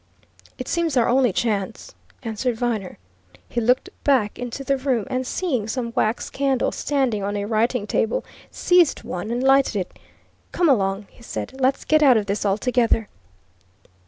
"It seems our only chance," answered Viner. He looked back into the room, and seeing some wax candles standing on a writing table, seized one and lighted it. "Come along!" he said. "Let's get out of this altogether."